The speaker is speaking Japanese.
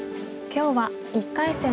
今日は１回戦